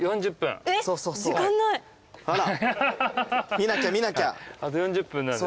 見なきゃ見なきゃ。